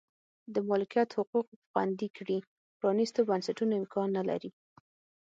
د مالکیت حقوق خوندي کړي پرانیستو بنسټونو امکان نه لري.